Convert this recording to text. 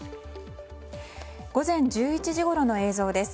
午前１１時ごろの映像です。